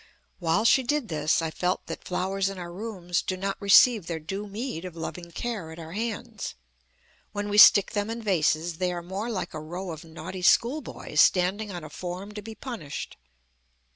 While she did this, I felt that flowers in our rooms do not receive their due meed of loving care at our hands. When we stick them in vases, they are more like a row of naughty schoolboys standing on a form to be punished.